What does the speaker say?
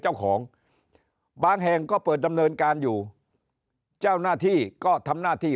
เจ้าของบางแห่งก็เปิดดำเนินการอยู่เจ้าหน้าที่ก็ทำหน้าที่